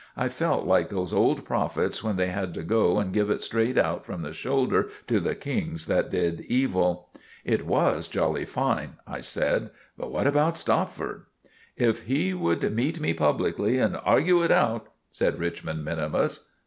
I felt like those old prophets when they had to go and give it straight out from the shoulder to the kings that did evil." "It was jolly fine," I said. "But what about Stopford?" "If he would meet me publicly and argue it out——" said Richmond minimus.